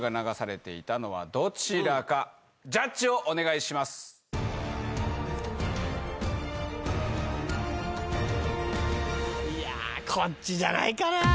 いやこっちじゃないかな。